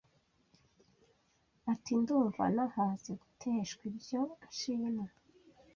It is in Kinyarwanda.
Ati: ndumva nahaze Guteshwa ibyo nshima